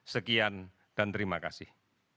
sekian dan terima kasih